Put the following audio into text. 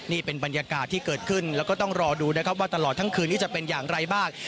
นี่เป็นบรรยากาศที่เกิดขึ้นแล้วก็ต้องรอดูนะครับว่าตลอดทั้งคืนนี้จะเป็นอย่างไรบ้าง